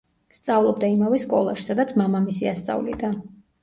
სწავლობდა იმავე სკოლაში, სადაც მამამისი ასწავლიდა.